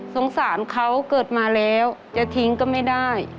สงสารเขาเกิดมาแล้วจะทิ้งก็ไม่ได้